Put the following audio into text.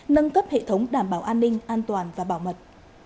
nâng cấp hệ thống đảm bảo an ninh an toàn và bảo mật